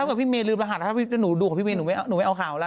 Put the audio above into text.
ถ้าเกิดพี่เมล์ลืมรหัสนะครับถ้าหนูดูกับพี่เมล์หนูไม่เอาข่าวแล้ว